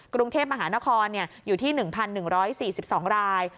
กรุงเทพมหานครอยู่ที่๑๑๔๒ราย